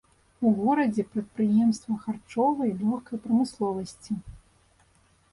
У горадзе прадпрыемства харчовай, лёгкай прамысловасці.